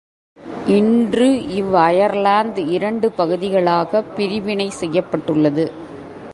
இன்று இவ் அயர்லாந்து இரண்டு பகுதிகளாகப் பிரிவினை செய்யப்பட்டுள்ளது.